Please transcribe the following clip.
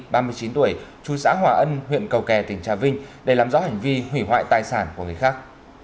thạch sa ly ba mươi chín tuổi chú xã hòa ân huyện cầu kè tỉnh trà vinh để làm rõ hành vi hủy hoại tài sản của người khác